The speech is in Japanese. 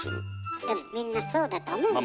でもみんなそうだと思うんだけど。